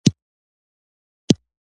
کابل ته ځم.